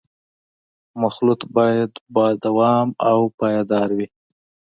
مخلوط باید با دوام او پایدار وي